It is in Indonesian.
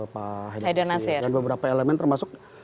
pak haidar nasir dan beberapa elemen termasuk